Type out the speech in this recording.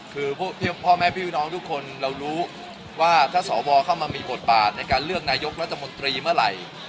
คือพ่อแม่พี่น้องทุกคนเรารู้ว่าถ้าสวเข้ามามีบทบาทในการเลือกนายกรัฐมนตรีเมื่อไหร่